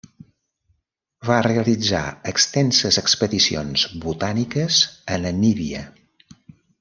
Va realitzar extenses expedicions botàniques a Namíbia.